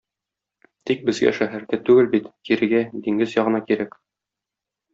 Тик безгә шәһәргә түгел бит, кирегә, диңгез ягына кирәк!